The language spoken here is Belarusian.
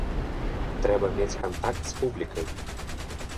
Трэба мець кантакт з публікай.